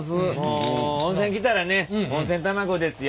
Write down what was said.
温泉来たらね温泉卵ですよ。